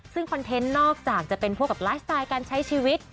ซึ่งคอนเทนต์นอกจากจะเป็นพวกกับไลฟ์สไตล์การใช้ชีวิต